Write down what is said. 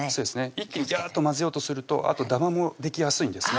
一気にギャーッと混ぜようとするとあとダマもできやすいんですね